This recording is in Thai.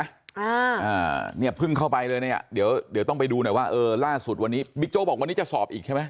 อ่าอ่าเนี่ยเพิ่งเข้าไปเลยเนี้ยเดี๋ยวเดี๋ยวต้องไปดูหน่อยว่าเออล่าสุดวันนี้บิ๊กโจ๊กบอกวันนี้จะสอบอีกใช่ไหม